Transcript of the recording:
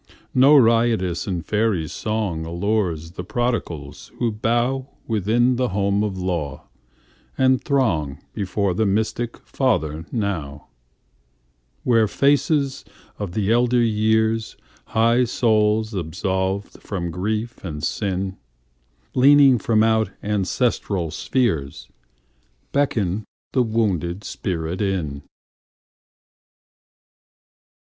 No riotous and fairy songAllures the prodigals who bowWithin the home of law, and throngBefore the mystic Father now, Where faces of the elder years, High souls absolved from grief and sin, Leaning from out ancestral spheresBeckon the wounded spirit in.